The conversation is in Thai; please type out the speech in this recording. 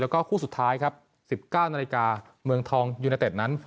แล้วก็คู่สุดท้ายครับ๑๙นาฬิกาเมืองทองยูเนเต็ดนั้น